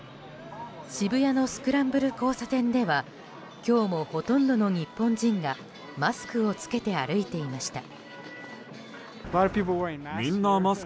渋谷のスクランブル交差点では今日もほとんどの日本人がマスクを着けて歩いていました。